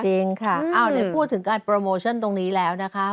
จริงค่ะได้พูดถึงการโปรโมชั่นตรงนี้แล้วนะคะ